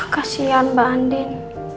kasian mbak andin